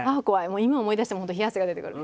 もう今思い出しても本当冷や汗が出てくる。